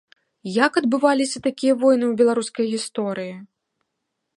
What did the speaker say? Як адбываліся такія войны ў беларускай гісторыі?